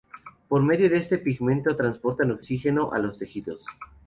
Por medio de este pigmento, transportan oxígeno a los tejidos.